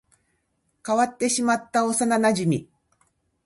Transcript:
変わってしまった幼馴染